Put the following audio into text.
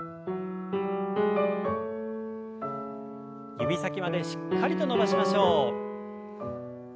指先までしっかりと伸ばしましょう。